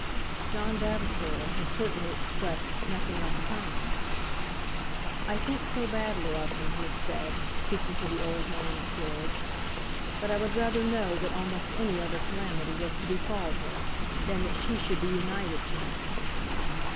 John Vavasor had certainly expressed nothing of the kind. "I think so badly of him," he had said, speaking to the old man of George, "that I would rather know that almost any other calamity was to befall her, than that she should be united to him."